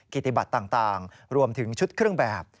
กิจบัตรต่างรวมถึงชุดเครื่องแบบ